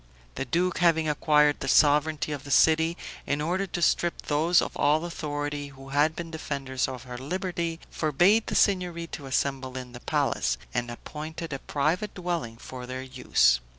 The duke, having acquired the sovereignty of the city, in order to strip those of all authority who had been defenders of her liberty, forbade the Signory to assemble in the palace, and appointed a private dwelling for their use.